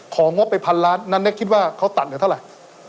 งบไปพันล้านนั้นเนี่ยคิดว่าเขาตัดเนี่ยเท่าไหร่